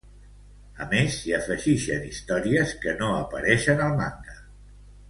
A més, s'hi afegixen històries que no apareixen al manga.